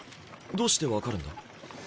どうして分かるんだ？